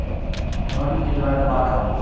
আমাকে ঠিকানাটা পাঠাও।